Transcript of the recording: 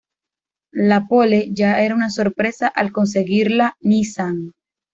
La "pole" ya era una sorpresa al conseguirla Nissan.